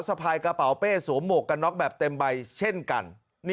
สะพายกระเป๋าเป้สวมหมวกกันน็อกแบบเต็มใบเช่นกัน